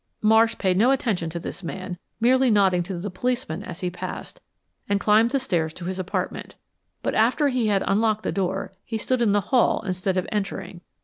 Marsh paid no attention to this man, merely nodding to the policeman as he passed, and climbed the stairs to his apartment. But after he had unlocked the door he stood in the hall instead of entering.